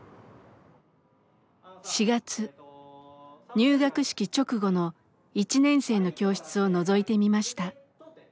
入学式直後の１年生の教室をのぞいてみました。